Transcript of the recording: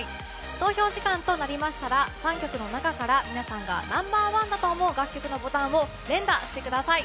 投票時間となりましたら３曲の中から皆さんがナンバー１だと思う楽曲のボタンを連打してください。